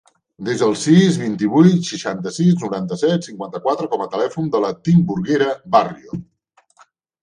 Desa el sis, vint-i-vuit, seixanta-sis, noranta-set, cinquanta-quatre com a telèfon de la Timburguera Barrio.